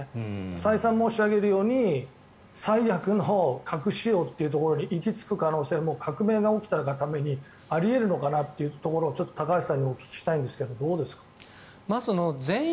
再三、申し上げるように最悪の核使用というところに行き着く可能性も革命が起きたがためにあり得るのかなっていうところを高橋さんにお聞きしたいんですがどうですか？